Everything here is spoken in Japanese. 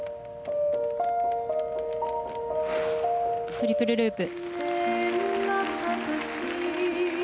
トリプルループ。